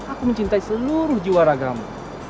aku mencintai seluruh jiwa ragammu